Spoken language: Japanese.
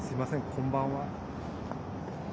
こんばんは。